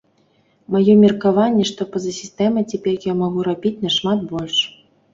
Маё меркаванне, што па-за сістэмай цяпер я магу рабіць нашмат больш.